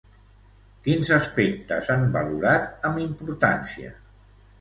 Quins aspectes han valorat amb importància?